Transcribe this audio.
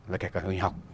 và kể cả người học